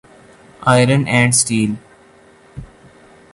iron and steel